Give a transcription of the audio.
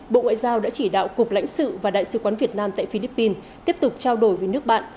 bộ ngoại giao đã chỉ đạo cục lãnh sự và đại sứ quán việt nam tại philippines tiếp tục trao đổi với nước bạn